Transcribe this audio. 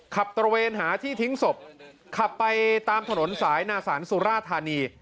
ตระเวนหาที่ทิ้งศพขับไปตามถนนสายนาศาลสุราธานี